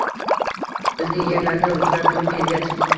“Bizning yerlarga ruslar kirib kelgach